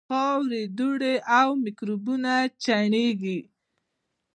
خاورې، دوړې او میکروبونه چاڼېږي.